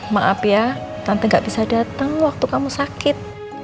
maaf ya tante gak bisa datang waktu kamu sakit